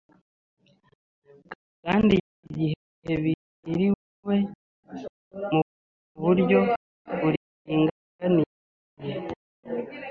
kandi igihe biriwe mu buryo buringaniye,